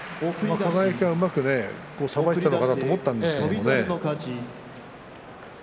輝はうまくさばいていったのかなと思っていたんですがね。